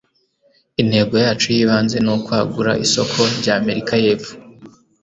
intego yacu yibanze nukwagura isoko ryamerika yepfo